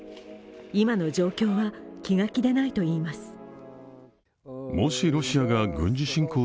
今の状況は、気が気でないといいます。